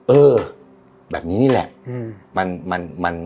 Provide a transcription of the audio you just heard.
เออแบบนี้นี่แหละ